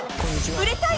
［「売れたい！」